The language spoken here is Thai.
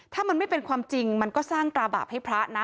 ถ้ามันไม่เป็นความจริงมันก็สร้างตราบาปให้พระนะ